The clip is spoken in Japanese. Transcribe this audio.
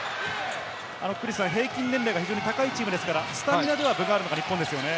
平均年齢が非常に高いチームですから、スタミナでは分があるのは日本ですね。